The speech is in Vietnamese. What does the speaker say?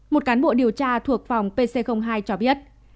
một cán bộ điều tra thuộc phòng pc hai cho biết